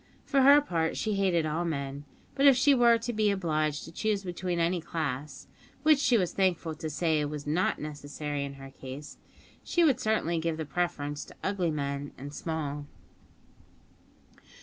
For her part, she hated all men, but if she were to be obliged to choose between any class (which she was thankful to say was not necessary in her case), she would certainly give the preference to ugly men and small.